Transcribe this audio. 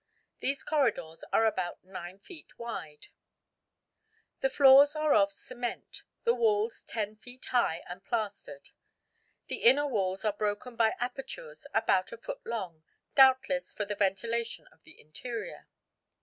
These corridors are about 9 feet wide. The floors are of cement; the walls 10 feet high and plastered. The inner walls are broken by apertures about a foot long, doubtless for the ventilation of the interior.